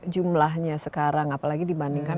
jumlahnya sekarang apalagi dibandingkan